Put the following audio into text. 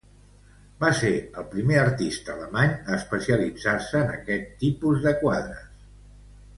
Va ser el primer artista alemany a especialitzar-se en este tipus de quadres.